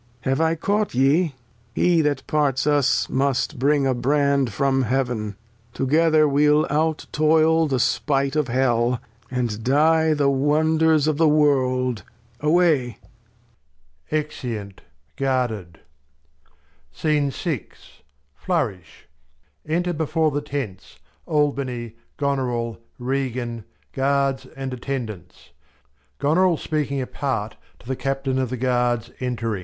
Have I caught ye ? He that parts us must bring a Brand from Heav'n : Together we'll out toil the Spight of Hell, And die the Wonders of the World ; away. \Exeuni guarded. Flourish. Enter before the Tents, Albany, Goneril, Regan, Guards and Attendants ; Goneril speaking apart to the Captain of the Guards entring.